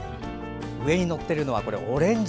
上に載っているのはオレンジ。